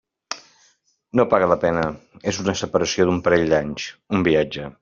No paga la pena; és una separació d'un parell d'anys..., un viatge.